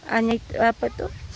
hanya itu apa itu